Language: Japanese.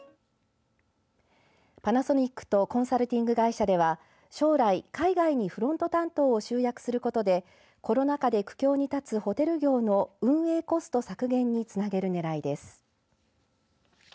パナソニックとコンサルティング会社では将来、海外にフロント担当を集約することでコロナ禍で苦境にたつホテル業の運営コスト削減につなげる狙いです。